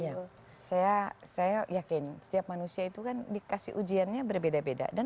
iya saya yakin setiap manusia itu kan dikasih ujiannya berbeda beda